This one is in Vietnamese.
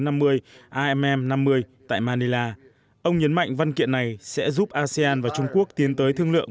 amm năm mươi tại manila ông nhấn mạnh văn kiện này sẽ giúp asean và trung quốc tiến tới thương lượng